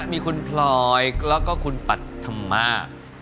มีคุณพลอยแล้วก็คุณปัธมา